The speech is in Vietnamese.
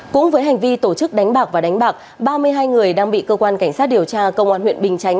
cũng với hành vi tổ chức đánh bạc và đánh bạc ba mươi hai người đang bị cơ quan cảnh sát điều tra công an huyện bình chánh